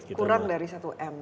kurang dari satu m